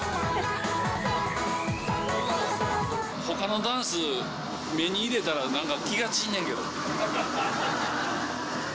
ほかのダンス、目に入れたら、なんか気が散んねんけど。